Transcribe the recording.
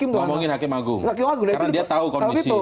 ngomongin hakim agung karena dia tahu kondisi